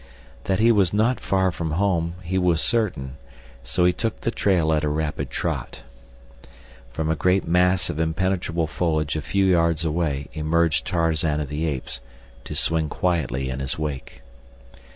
That he was not far from home he was certain, so he took the trail at a rapid trot. From a great mass of impenetrable foliage a few yards away emerged Tarzan of the Apes to swing quietly in his wake.